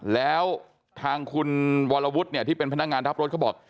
แล้วทางคุณวรวุฒิเนี่ยที่เป็นพนักงานทับรถเขาบอก